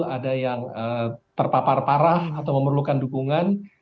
ada yang terpapar parah atau memerlukan dukungan